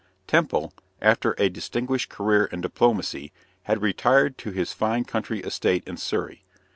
Temple, after a distinguished career in diplomacy, had retired to his fine country estate in Surrey.